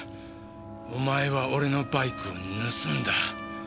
お前は俺のバイクを盗んだ。